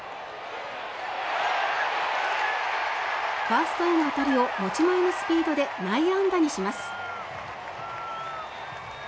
ファーストへの当たりを持ち前のスピードで内野安打にします。